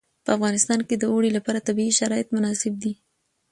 په افغانستان کې د اوړي لپاره طبیعي شرایط مناسب دي.